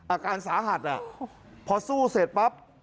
อาการสาหัสพอสู้เสร็จปั๊บ